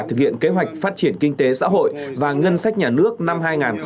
thực hiện kế hoạch phát triển kinh tế xã hội và ngân sách nhà nước năm hai nghìn hai mươi